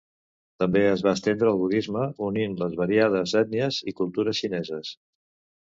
També es va estendre el Budisme unint les variades ètnies i cultures xineses.